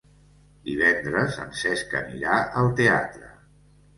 Divendres en Cesc anirà al teatre.